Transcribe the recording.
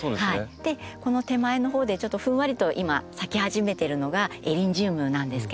この手前のほうでちょっとふんわりと今咲き始めてるのがエリンジウムなんですけれども。